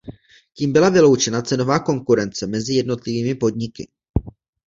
Tím byla vyloučena cenová konkurence mezi jednotlivými podniky.